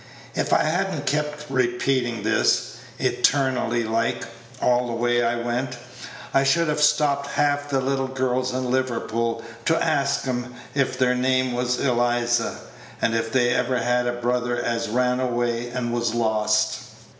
If I had n't kept repeatin' this, internally like, all the way I went, I should have stopped half the little girls in Liverpool to ask 'em if their name was Eliza, and if they'd ever had a brother as ran away and was lost.